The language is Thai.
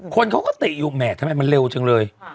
คนเขาก็ติอยู่แหมทำไมมันเร็วจังเลย